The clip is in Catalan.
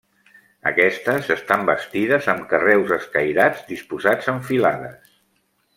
Aquestes estan bastides amb carreus escairats disposats en filades.